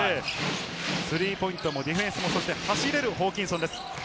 スリーポイントもディフェンスも走れるホーキンソンです。